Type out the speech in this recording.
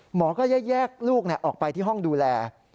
หมอก็แยกลูกออกไปที่ห้องดูแล